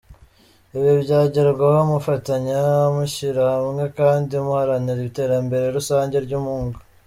Ibi byagerwaho mufatanya, mushyira hamwe kandi muharanira iterambere rusange ry’umwuga.